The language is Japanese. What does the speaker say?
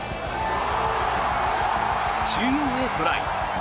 中央へトライ。